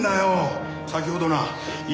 先ほどな一